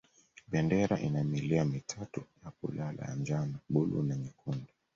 Bendera ina milia mitatu ya kulala ya njano, buluu na nyekundu.